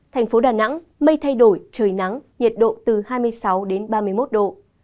thành phố đà nẵng mây thay đổi trời nắng nhà độ từ hai mươi sáu ba mươi một độ